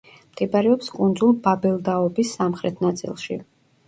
მდებარეობს კუნძულ ბაბელდაობის სამხრეთ ნაწილში.